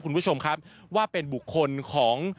คุณผู้ชมครับว่าเป็นบุคคลของ